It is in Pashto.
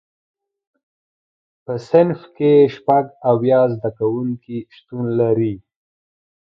په صنف کې شپږ اویا زده کوونکي شتون لري.